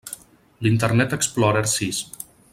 L'Internet Explorer sis.